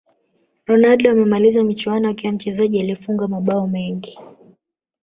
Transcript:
ronaldo amemaliza michuano akiwa mchezaji aliyefunga mabao mengi